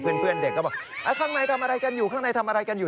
เพื่อนเด็กก็บอกข้างในทำอะไรกันอยู่